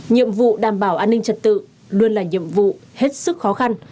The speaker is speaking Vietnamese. nhiệm vụ đảm bảo an ninh trật tự luôn là nhiệm vụ hết sức khó khăn